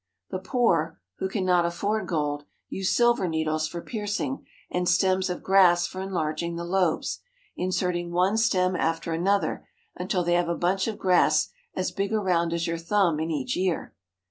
The poor, who cannot afford gold, use silver needles for piercing and stems of grass for enlarging the lobes, insert THE WORKING ELEPHANTS IN BURMA 223 ing one stem after another until they have a bunch of grass as big around as your thumb in each ear.